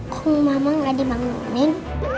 kau mau mama gak dimangunin